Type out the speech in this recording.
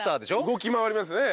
動き回りますね。